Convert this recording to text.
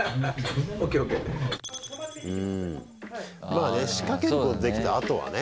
まあね仕掛けることできたら後はね。